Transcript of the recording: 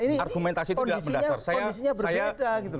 ini kondisinya berbeda